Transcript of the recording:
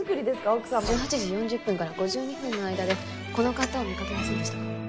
奥様の１８時４０分から５２分の間でこの方を見かけませんでしたか？